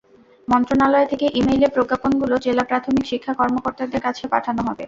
মন্ত্রণালয় থেকে ই-মেইলে প্রজ্ঞাপনগুলো জেলা প্রাথমিক শিক্ষা কর্মকর্তাদের কাছে পাঠানো হবে।